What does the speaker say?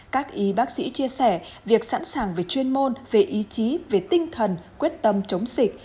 các y bác sĩ chia sẻ việc sẵn sàng về chuyên môn về ý chí về tinh thần quyết tâm chống dịch